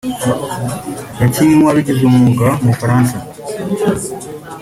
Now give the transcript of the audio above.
yakinnye nk’uwabigize umwuga mu Bufaransa